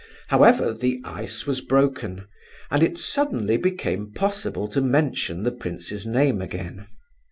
However, the ice was broken, and it suddenly became possible to mention the prince's name again.